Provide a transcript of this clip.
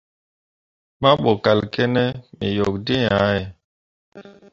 Mahbo kal kǝne me yok dǝ̃ǝ̃ yah ye.